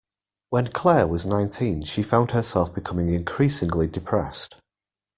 When Claire was nineteen she found herself becoming increasingly depressed